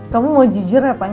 kamu mau jujur ya pak